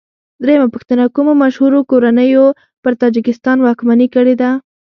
درېمه پوښتنه: کومو مشهورو کورنیو پر تاجکستان واکمني کړې ده؟